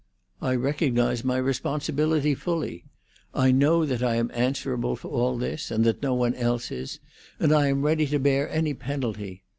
I recognise my responsibility fully. I know that I am answerable for all this, and that no one else is; and I am ready to bear any penalty.